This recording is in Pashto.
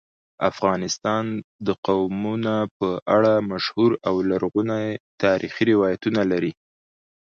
افغانستان د قومونه په اړه مشهور او لرغوني تاریخی روایتونه لري.